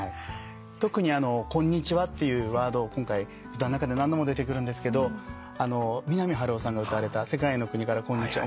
特に「こんにちは」っていうワードを今回歌の中で何度も出てくるんですけど三波春夫さんが歌われた『世界の国からこんにちは』